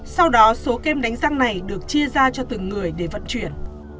sau đó số kem đánh răng này được chia ra cho từng người để vận chuyển